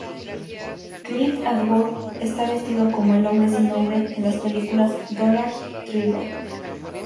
Clint Eastwood está vestido como el hombre sin nombre de las películas "Dollars Trilogy".